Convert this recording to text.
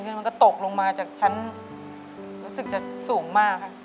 เงินมันก็ตกลงมาจากชั้นรู้สึกจะสูงมากค่ะ